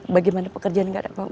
bagaimana pekerjaan gak ada apa apa